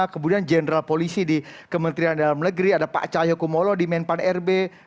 kemudian jenderal polisi di kementerian dalam negeri ada pak cahyokumolo di menpan rb